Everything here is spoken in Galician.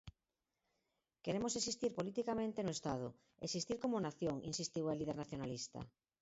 Queremos existir politicamente no Estado, existir como nación, insistiu a líder nacionalista.